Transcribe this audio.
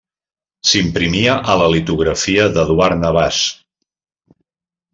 S'imprimia a la Litografia d'Eduard Navàs.